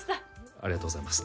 ありがとうございます